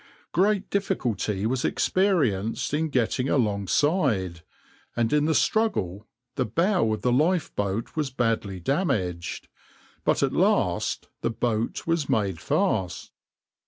\par Great difficulty was experienced in getting alongside, and in the struggle the bow of the lifeboat was badly damaged, but at last the boat was made fast.